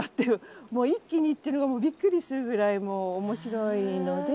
もう一気にいってるのがびっくりするぐらいもう面白いので。